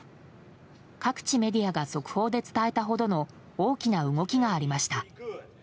各地メディアが速報で伝えたほどの大きな動きがありました。